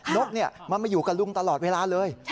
นกมันมาอยู่กับลุงตลอดเวลาเลย